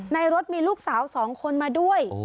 อ๋อในรถมีลูกสาวสองคนมาด้วยอ๋อ